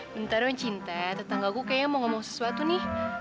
bentar dong cinta tetangga gue kayaknya mau ngomong sesuatu nih